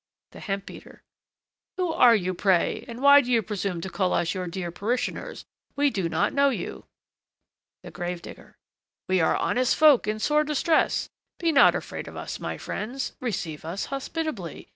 THE HEMP BEATER. Who are you, pray, and why do you presume to call us your dear parishioners? We do not know you. THE GRAVE DIGGER. We are honest folk in sore distress. Be not afraid of us, my friends! receive us hospitably.